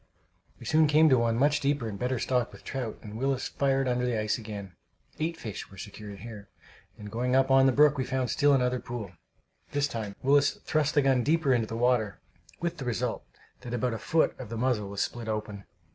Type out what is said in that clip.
We soon came to one much deeper and better stocked with trout, and Willis fired under the ice again. Eight fish were secured here; and going on up the brook, we found still another pool. This time Willis thrust the gun deeper into the water, with the result that about a foot of the muzzle was split open!